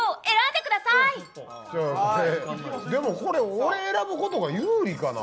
でも、これ俺選ぶことが有利かな？